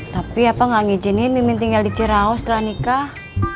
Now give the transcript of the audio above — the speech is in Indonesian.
tapi apa gak ngijinin mimin tinggal di ciraos setelah nikah